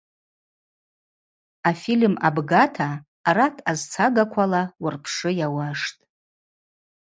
Афильм абгата арат азцагаквала уырпшы йауаштӏ.